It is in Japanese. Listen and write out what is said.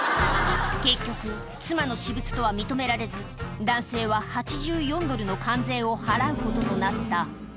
結局、妻の私物とは認められず、男性は８４ドルの関税を払うこととなった。